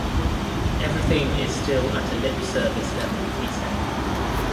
Everything is still at a lip-service level, he said.